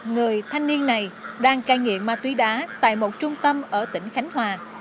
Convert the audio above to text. người thanh niên này đang cai nghiện ma túy đá tại một trung tâm ở tỉnh khánh hòa